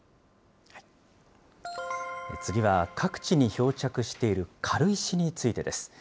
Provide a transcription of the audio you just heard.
次は、各地に漂着している軽石についてです。